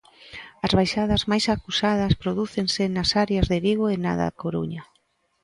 As baixadas máis acusadas prodúcense nas áreas de Vigo e na da Coruña.